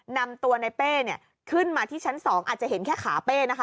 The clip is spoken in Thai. นำตัวในเป้เนี่ยขึ้นมาที่ชั้น๒อาจจะเห็นแค่ขาเป้นะคะ